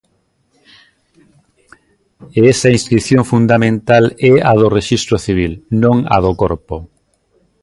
E esa inscrición fundamental é a do rexistro civil, non a do corpo.